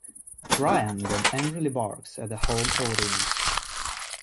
Brian then angrily barks at the home audience.